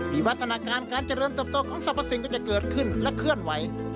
วัฒนาการการเจริญเติบโตของสรรพสินก็จะเกิดขึ้นและเคลื่อนไหว